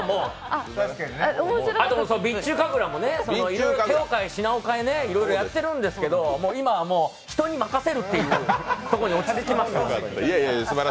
あと備中神楽もね、いろいろ手を変え品を変え、やってるんですけど、今はもう、人に任せるっていうところに落ち着きましたから。